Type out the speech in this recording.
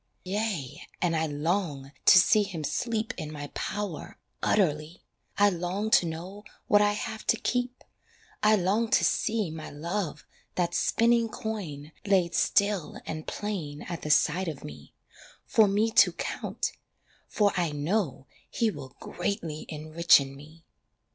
Yea and I long to see him sleep In my power utterly, I long to know what I have to keep, I long to see My love, that spinning coin, laid still And plain at the side of me, For me to count for I know he will Greatly enrichen me.